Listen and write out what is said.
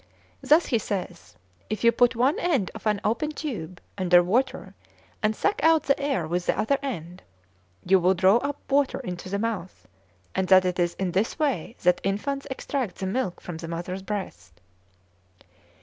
Thus, he says, if you put one end of an open tube under water and suck out the air with the other end, you will draw up water into the mouth, and that it is in this way that infants extract the milk from the mother's breast.